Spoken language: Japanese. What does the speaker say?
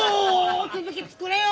続き作れよ！